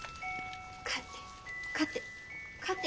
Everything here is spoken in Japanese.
勝て勝て勝て。